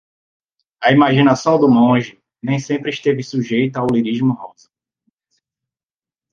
A imaginação do monge nem sempre esteve sujeita ao lirismo rosa.